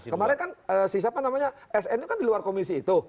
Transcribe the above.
kemarin kan si siapa namanya sn itu kan di luar komisi itu